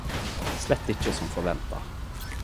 Slett ikkje som forventa.